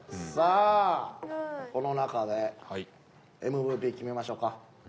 さあこの中でＭＶＰ決めましょうか。